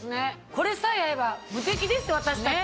これさえあれば無敵です私たち。